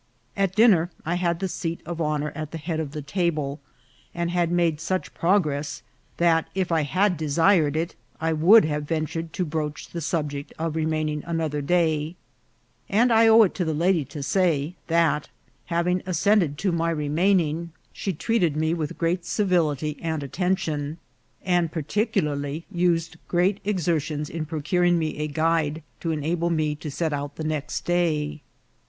At dinner I had the seat of honour at the head of the table, and had made such progress, that, if I had desired it, I would have ventured to broach the subject of remaining another day ; and I owe it to the lady to say, that, having assented to my remaining, 24 INCIDENTS OP TRAVEL. she treated me with great civility and attention, and particularly used great exertions in procuring me a guide to enable me to set out the next day.